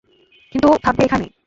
কিন্তু থাকবে এখানেই।